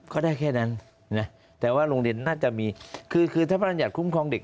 ก็ได้แค่นั้นเนี่ยแต่ว่าโรงเรียนน่าจะมีคือคือถ้าพนักอาหารอยากคุ้มครองเด็ก